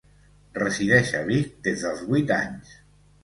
Resideix a Vic des dels vuit anys.